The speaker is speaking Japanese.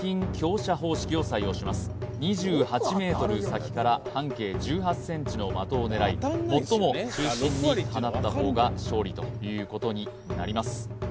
２８ｍ先から半径１８ｃｍの的を狙い最も中心に放った方が勝利ということになります